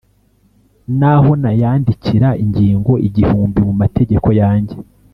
N'aho nayandikira ingingo igihumbi mu mategeko yanjye,